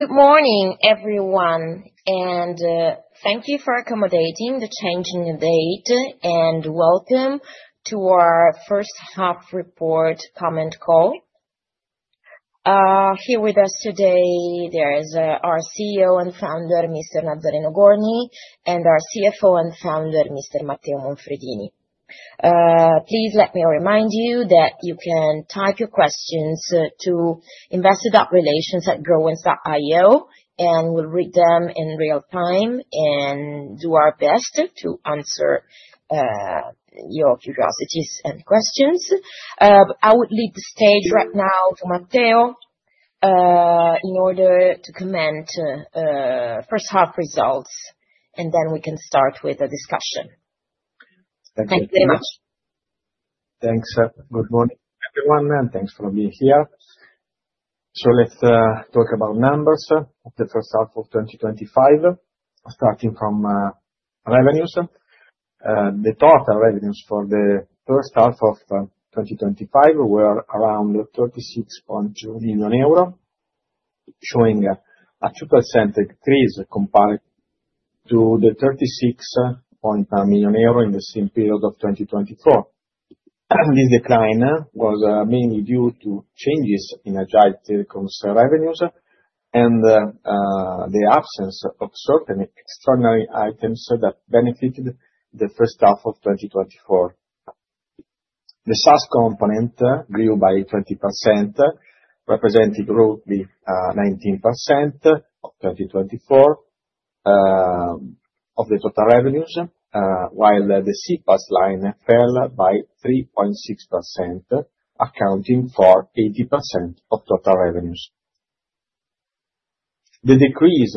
Good morning, everyone, and thank you for accommodating the changing date, and welcome to our First Half Report Comment Call. Here with us today, there is our CEO and founder, Mr. Nazzareno Gorni, and our CFO and founder, Mr. Matteo Monfredini. Please let me remind you that you can type your questions to investor.relations@growens.io, and we'll read them in real time and do our best to answer your curiosities and questions. I would leave the stage right now to Matteo in order to comment on the first half results, and then we can start with the discussion. Thank you. Thank you very much. Thanks, good morning, everyone, and thanks for being here. So let's talk about numbers for the first half of 2025, starting from revenues. The total revenues for the first half of 2025 were around 36.2 million euro, showing a 2% increase compared to the 36.9 million euro in the same period of 2024. This decline was mainly due to changes in Agile Telecom's revenues and the absence of certain extraordinary items that benefited the first half of 2024. The SaaS component grew by 20%, representing roughly 19% of 2024 of the total revenues, while the CPaaS line fell by 3.6%, accounting for 80% of total revenues. The decrease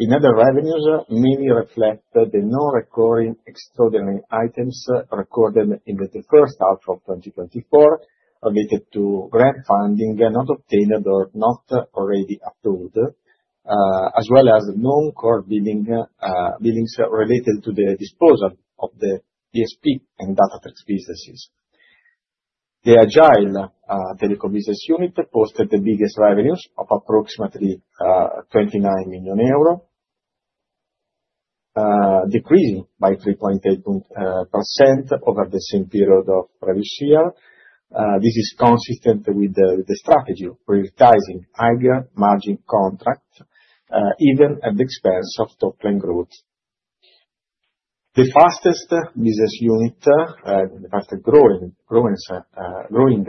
in other revenues mainly reflects the non-recurring extraordinary items recorded in the first half of 2024, related to grant funding not obtained or not already approved, as well as non-core billings related to the disposal of the ESP and Datatrics businesses. The Agile Telecom business unit posted the biggest revenues of approximately 29 million euro, decreasing by 3.8% over the same period of previous year. This is consistent with the strategy of prioritizing higher margin contracts, even at the expense of top-line growth. The fastest business unit, the fastest growing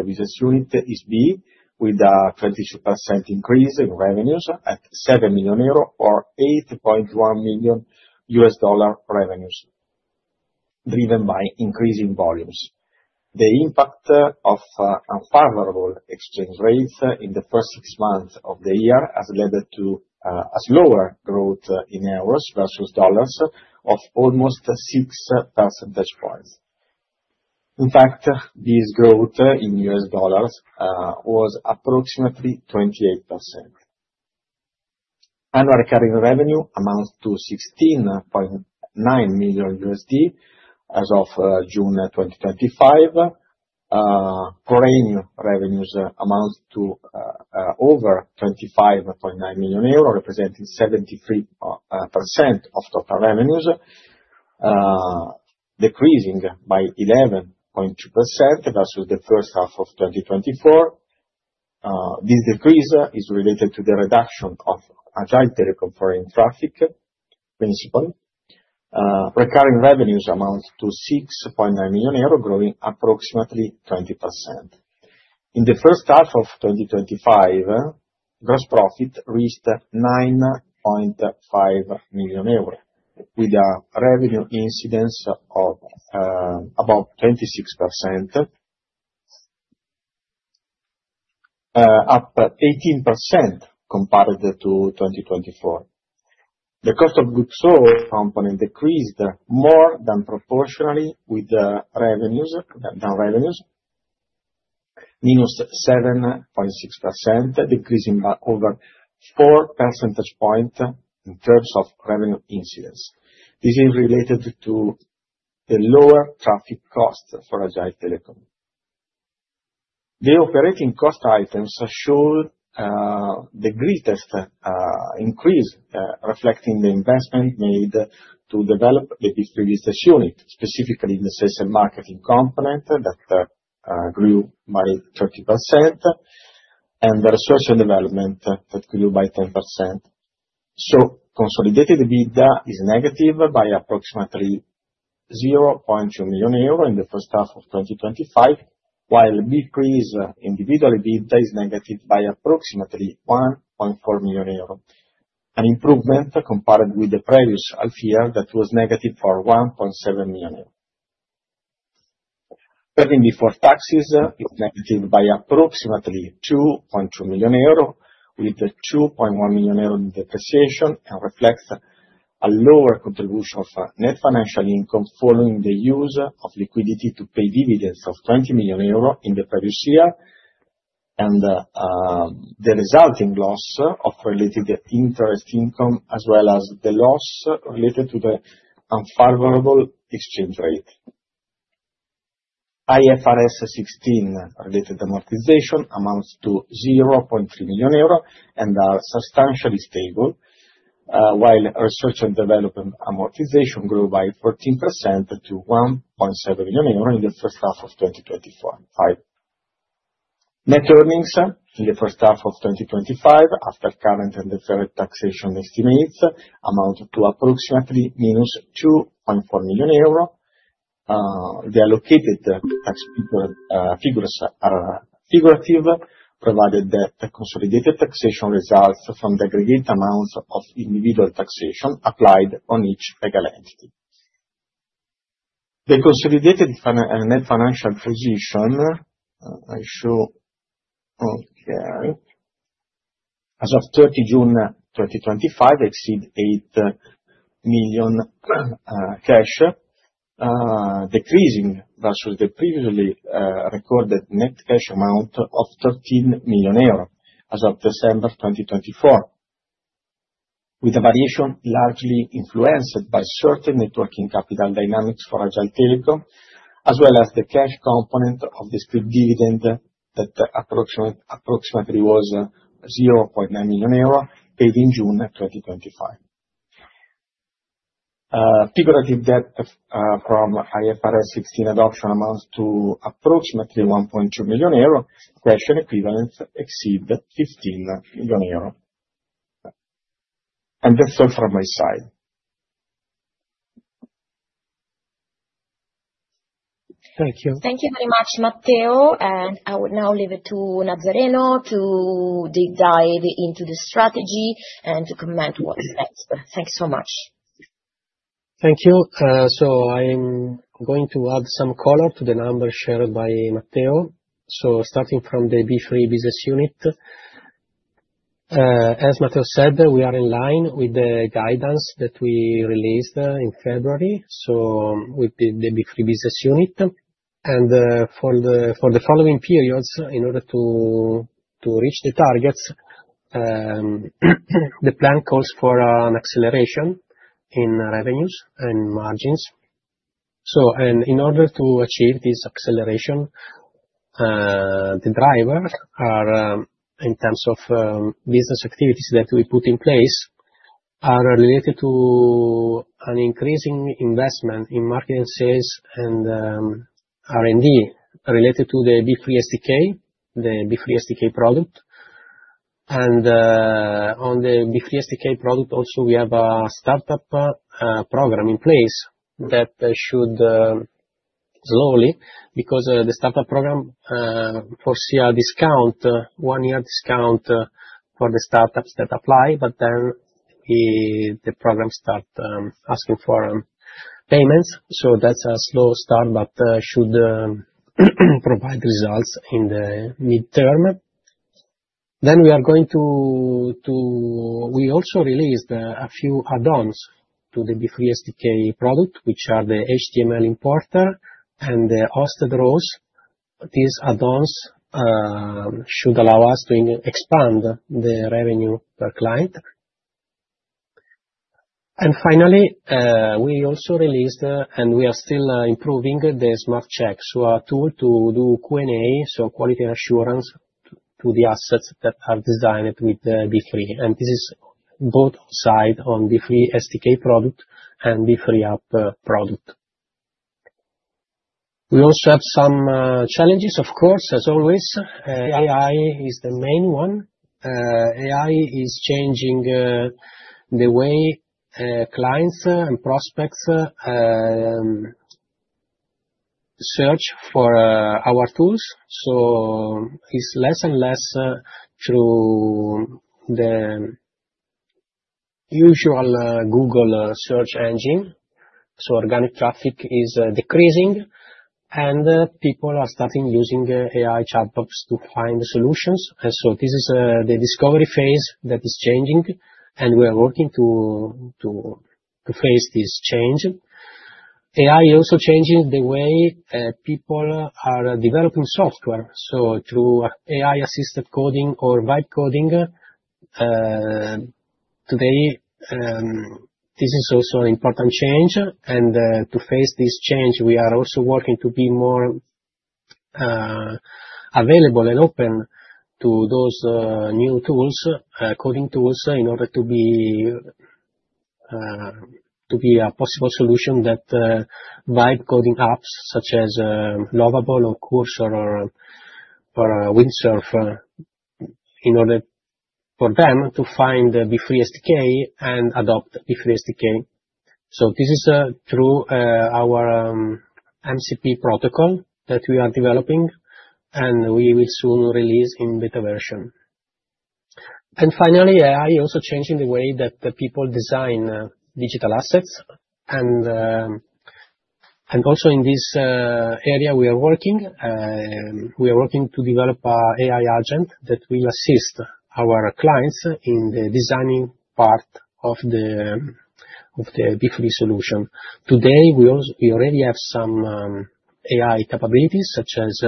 business unit, is Beefree, with a 22% increase in revenues at 7 million euro or $8.1 million revenues, driven by increasing volumes. The impact of unfavorable exchange rates in the first six months of the year has led to a slower growth in euros versus dollars of almost 6 percentage points. In fact, this growth in U.S. dollars was approximately 28%. Annual recurring revenue amounts to EUR 16.9 million as of June 2025. Pluriannual revenues amount to over 25.9 million euro, representing 73% of total revenues, decreasing by 11.2% versus the first half of 2024. This decrease is related to the reduction of Agile Telecom foreign traffic principally. Recurring revenues amount to 6.9 million euro, growing approximately 20%. In the first half of 2025, gross profit reached 9.5 million euro, with a revenue incidence of about 26%, up 18% compared to 2024. The cost of goods sold component decreased more than proportionally with down revenues, minus 7.6%, decreasing by over four percentage points in terms of revenue incidence. This is related to the lower traffic cost for Agile Telecom. The operating cost items showed the greatest increase, reflecting the investment made to develop the business unit, specifically in the Sales and Marketing component that grew by 30%, and the Research and Development that grew by 10%. Consolidated EBITDA is negative by approximately 0.2 million euro in the first half of 2025, while Beefree's individual EBITDA is negative by approximately 1.4 million euro, an improvement compared with the previous half year that was negative for 1.7 million euro. Earnings before taxes is negative by approximately 2.2 million euro, with a 2.1 million euro depreciation and reflects a lower contribution of net financial income following the use of liquidity to pay dividends of 20 million euro in the previous year, and the resulting loss of related interest income, as well as the loss related to the unfavorable exchange rate. IFRS 16 related amortization amounts to 0.3 million euro and are substantially stable, while research and development amortization grew by 14% to 1.7 million euros in the first half of 2025. Net earnings in the first half of 2025, after current and deferred taxation estimates, amount to approximately minus 2.4 million. The allocated tax figures are figurative, provided that consolidated taxation results from the aggregate amounts of individual taxation applied on each legal entity. The consolidated net financial position, I show okay, as of 30 June 2025, exceeds EUR 8 million cash, decreasing versus the previously recorded net cash amount of 13 million euro as of December 2024, with a variation largely influenced by certain working capital dynamics for Agile Telecom, as well as the cash component of the split dividend that approximately was 0.9 million euro paid in June 2025. Figurative debt from IFRS 16 adoption amounts to approximately 1.2 million euro. Cash equivalents exceed 15 million euro. That's all from my side. Thank you. Thank you very much, Matteo, and I will now leave it to Nazzareno to deep dive into the strategy and to comment what's next. Thank you so much. Thank you. So I'm going to add some color to the numbers shared by Matteo. So starting from the Beefree business unit, as Matteo said, we are in line with the guidance that we released in February. So with the Beefree business unit, and for the following periods, in order to reach the targets, the plan calls for an acceleration in revenues and margins. So, and in order to achieve this acceleration, the drivers are, in terms of business activities that we put in place, are related to an increasing investment in marketing sales and R&D related to the Beefree SDK, the Beefree SDK product. And on the Beefree SDK product, also, we have a startup program in place that should slowly, because the startup program foresee a discount, one-year discount for the startups that apply, but then the program starts asking for payments. That's a slow start, but should provide results in the midterm. Then we are going to, we also released a few add-ons to the Beefree SDK product, which are the HTML Importer and the Synced Rows. These add-ons should allow us to expand the revenue per client. And finally, we also released, and we are still improving the Smart Checks, so a tool to do QA, so quality assurance to the assets that are designed with Beefree. And this is both on site on Beefree SDK product and Beefree App product. We also have some challenges, of course, as always. AI is the main one. AI is changing the way clients and prospects search for our tools. So it's less and less through the usual Google search engine. So organic traffic is decreasing, and people are starting using AI chatbots to find solutions. And so this is the discovery phase that is changing, and we are working to face this change. AI is also changing the way people are developing software, so through AI-assisted coding or vibe coding. Today, this is also an important change. And to face this change, we are also working to be more available and open to those new tools, coding tools, in order to be a possible solution that vibe coding apps, such as Lovable or Cursor or Windsurf, in order for them to find Beefree SDK and adopt Beefree SDK. So this is through our MCP protocol that we are developing, and we will soon release in beta version. And finally, AI is also changing the way that people design digital assets. And also in this area, we are working. We are working to develop an AI agent that will assist our clients in the designing part of the Beefree solution. Today, we already have some AI capabilities, such as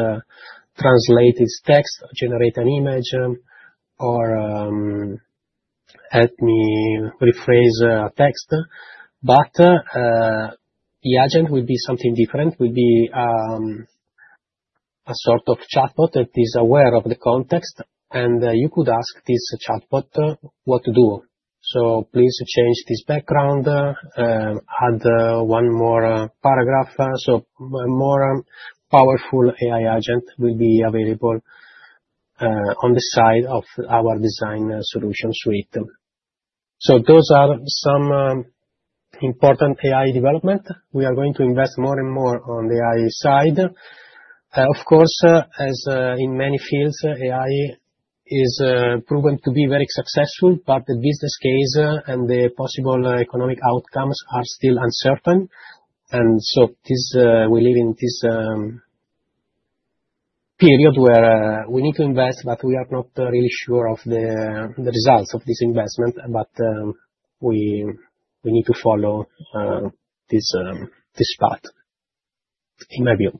translate its text, generate an image, or help me rephrase a text. But the agent will be something different. It will be a sort of chatbot that is aware of the context, and you could ask this chatbot what to do. So please change this background, add one more paragraph. So a more powerful AI agent will be available on the side of our design solution suite. So those are some important AI developments. We are going to invest more and more on the AI side. Of course, as in many fields, AI is proven to be very successful, but the business case and the possible economic outcomes are still uncertain. We live in this period where we need to invest, but we are not really sure of the results of this investment. But we need to follow this path, in my view.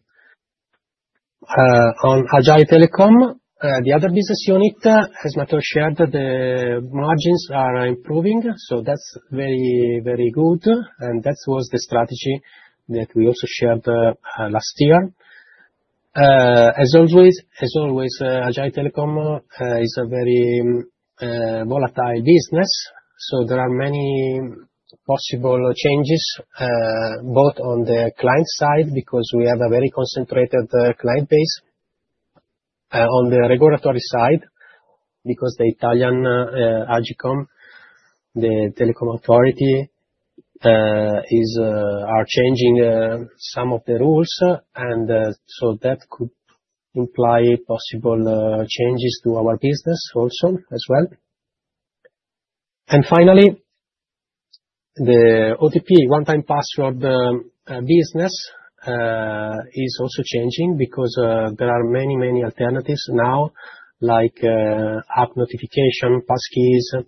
On Agile Telecom, the other business unit, as Matteo shared, the margins are improving. So that's very, very good. And that was the strategy that we also shared last year. As always, Agile Telecom is a very volatile business. So there are many possible changes, both on the client side, because we have a very concentrated client base, on the regulatory side, because the Italian AGCOM, the telecom authority, are changing some of the rules. And so that could imply possible changes to our business also as well. And finally, the OTP one-time password business is also changing because there are many, many alternatives now, like app notification, passkeys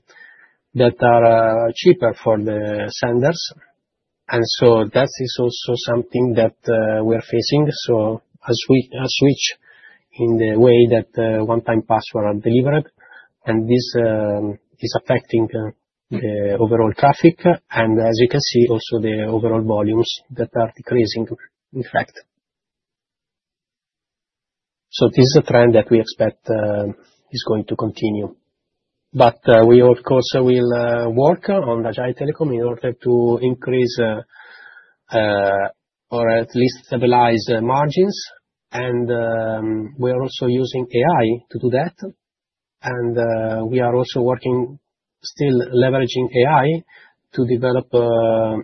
that are cheaper for the senders. That is also something that we are facing. As we switch in the way that one-time passwords are delivered, this is affecting the overall traffic. As you can see, the overall volumes are also decreasing, in fact. This is a trend that we expect is going to continue. We, of course, will work on Agile Telecom in order to increase or at least stabilize margins. We are also using AI to do that. We are also working, still leveraging AI, to develop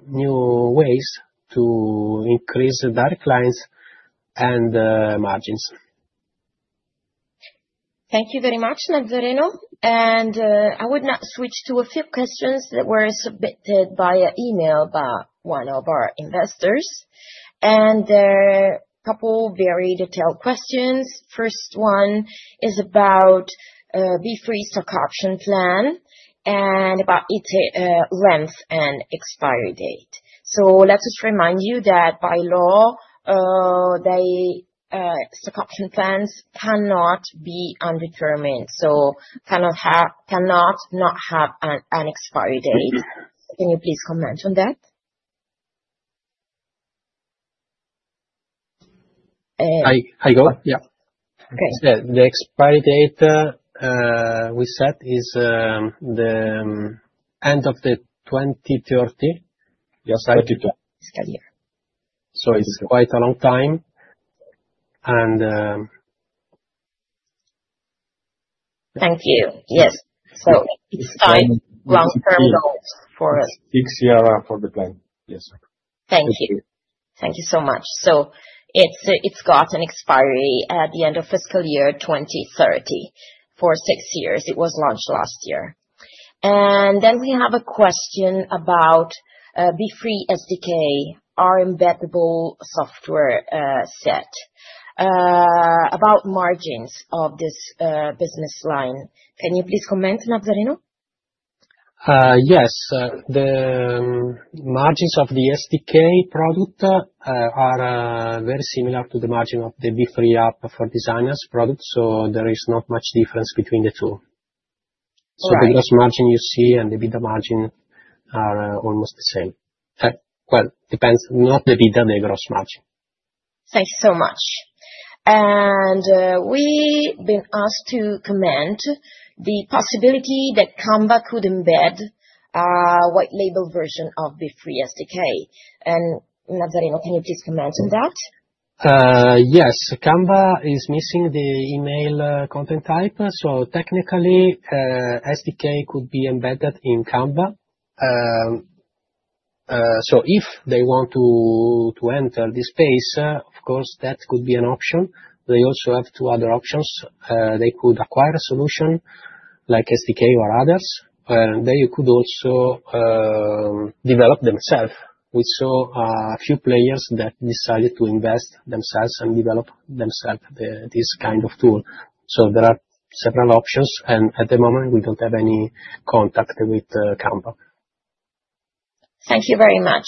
new ways to increase direct clients and margins. Thank you very much, Nazzareno, and I would now switch to a few questions that were submitted by email by one of our investors, and they're a couple of very detailed questions. First one is about Beefree stock option plan and about its length and expiry date, so let us remind you that by law, stock option plans cannot be undetermined, so cannot not have an expiry date. Can you please comment on that? Hi, hello. Yeah. The expiry date we set is the end of 2030, your fiscal year. So it's quite a long time. And. Thank you. Yes. So it's time, long-term goals for. Six years for the plan. Yes. Thank you. Thank you so much. So it's got an expiry at the end of fiscal year 2030 for six years. It was launched last year. And then we have a question about Beefree SDK, our embeddable software set, about margins of this business line. Can you please comment, Nazzareno? Yes. The margins of the SDK product are very similar to the margin of the Beefree App for designers product, so there is not much difference between the two, so the gross margin you see and the beta margin are almost the same, well, depends, not the beta, the gross margin. Thank you so much. And we've been asked to comment the possibility that Canva could embed a white label version of Beefree SDK. And Nazzareno, can you please comment on that? Yes. Canva is missing the email content type. So technically, SDK could be embedded in Canva. So if they want to enter this space, of course, that could be an option. They also have two other options. They could acquire a solution like SDK or others. And they could also develop themselves. We saw a few players that decided to invest themselves and develop themselves this kind of tool. So there are several options. And at the moment, we don't have any contact with Canva. Thank you very much,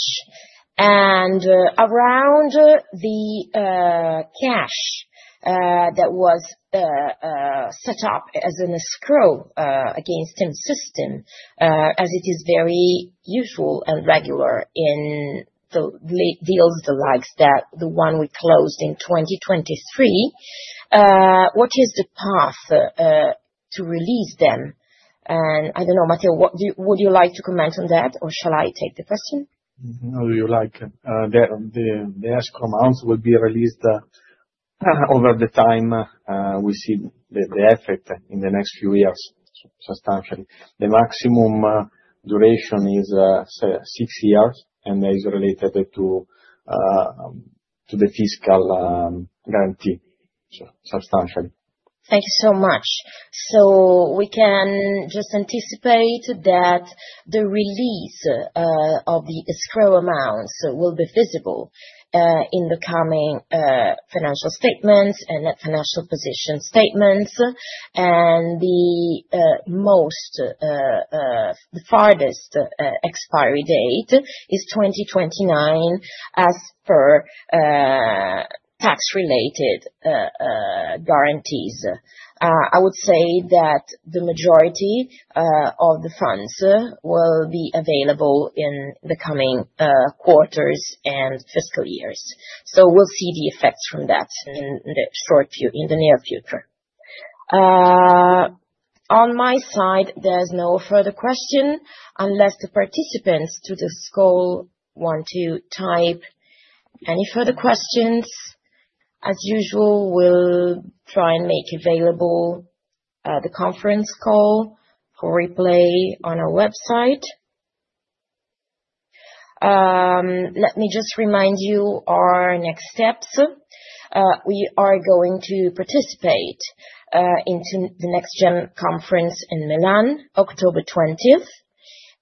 and around the cash that was set up as an escrow against TeamSystem, as it is very usual and regular in deals like the one we closed in 2023, what is the path to release them? And I don't know, Matteo, would you like to comment on that, or shall I take the question? No, you're like. The escrow amount will be released over the time. We see the effect in the next few years, substantially. The maximum duration is six years, and it is related to the fiscal guarantee, substantially. Thank you so much. So we can just anticipate that the release of the escrow amounts will be visible in the coming financial statements and net financial position statements. And the farthest expiry date is 2029 as per tax-related guarantees. I would say that the majority of the funds will be available in the coming quarters and fiscal years. So we'll see the effects from that in the near future. On my side, there's no further question unless the participants to this call want to type any further questions. As usual, we'll try and make available the conference call for replay on our website. Let me just remind you our next steps. We are going to participate in the Next Gems conference in Milan, October 20th,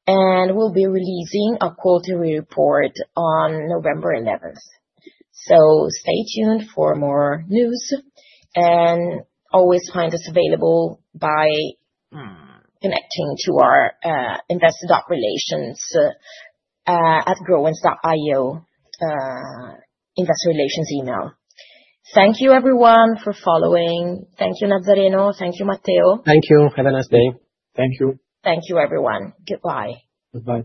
and we'll be releasing a quarterly report on November 11th. So stay tuned for more news. Always find us available by connecting to our investor.relations@growens.io investor relations email. Thank you, everyone, for following. Thank you, Nazzareno. Thank you, Matteo. Thank you. Have a nice day. Thank you. Thank you, everyone. Goodbye. Goodbye.